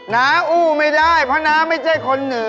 น้าอู้ไม่ได้เพราะน้าไม่ใช่คนเหนือ